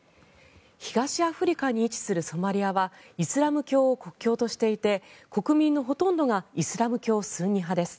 東アフリカに位置するソマリアはイスラム教を国教としていて国民のほとんどがイスラム教スンニ派です。